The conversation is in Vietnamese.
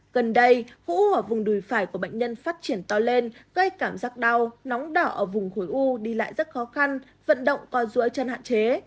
gần đây khu u ở vùng đùi phải của bệnh nhân phát triển to lên gây cảm giác đau nóng đỏ ở vùng khối u đi lại rất khó khăn vận động còn dưới chân hạn chế